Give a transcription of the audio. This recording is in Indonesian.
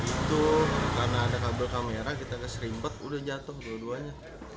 itu karena ada kabel kamera kita keserimpet udah jatuh dua duanya